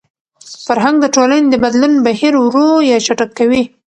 فرهنګ د ټولني د بدلون بهیر ورو يا چټک کوي.